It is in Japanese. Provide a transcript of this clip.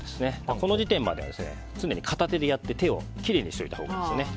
この時点までは常に片手でやって手をきれいにしておいたほうがいいですね。